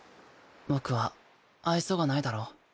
僕は愛想がないだろ？